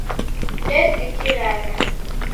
Ndesikiragha